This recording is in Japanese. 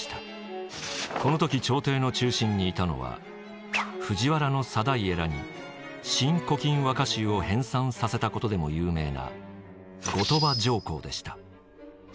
この時朝廷の中心にいたのは藤原定家らに「新古今和歌集」を編纂させたことでも有名な後鳥羽上皇でした。